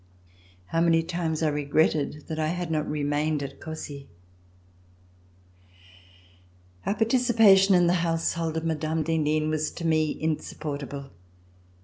How many times I regretted that I had not remained at Cossey! Our participation in the household of Mme. d'Henin was to me insupportable.